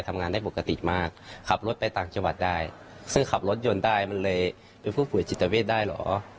ทำงานได้ปกติมากขับรถไปต่างจังหวัดได้ซึ่งขับรถยนต์ได้มันเลยเป็นผู้ป่วยจิตเวทได้เหรอ